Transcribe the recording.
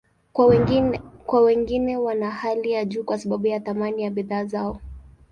Kwa wengine, wana hali ya juu kwa sababu ya thamani ya bidhaa zao.